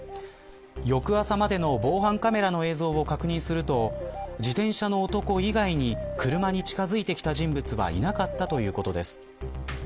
翌朝までの防犯カメラの映像を確認すると自転車の男以外に車に近づいてきた人物はいなかったということです。